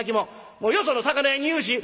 もうよその魚屋に言うし！」。